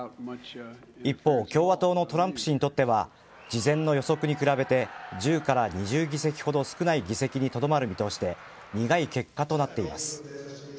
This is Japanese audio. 一方共和党のトランプ氏にとっては事前の予測に比べて１０から２０議席ほど少ない議席にとどまる見通しで苦い結果となっています。